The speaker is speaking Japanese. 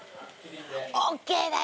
ＯＫだよ。